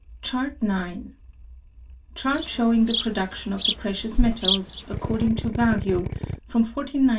(232) Chart IX. _Chart showing the Production of the Precious Metals, according to Value, from 1493 to 1879.